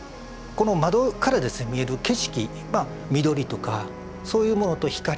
この窓から見える景色緑とかそういうものと光と風。